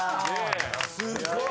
すっごい！